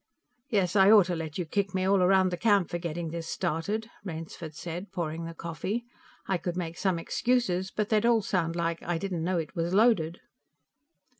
"Yes, I ought to let you kick me all around the camp for getting this started," Rainsford said, pouring the coffee. "I could make some excuses, but they'd all sound like 'I didn't know it was loaded.'"